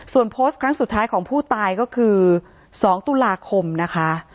ส่วนโพสต์ครั้งสุดท้ายของผู้ตายก็คือ๒ตุลาคมนะคะ